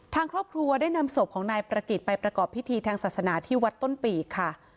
ทางครอบครัวได้นำศพของนายประกิจไปประกอบพิธีทางศาสนาที่วัดต้นปีกค่ะ